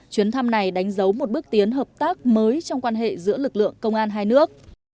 chuyến thăm này đánh dấu một bước tiến hợp tác mới trong quan hệ giữa lực lượng công an hai nước